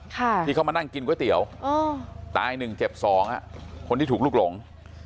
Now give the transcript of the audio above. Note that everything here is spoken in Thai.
ที่เข้ามานั่งกินก๋วยเตี๋ยวตาย๑เจ็บ๒คนที่ถูกลุกหลง